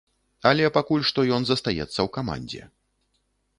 Але пакуль што ён застаецца ў камандзе.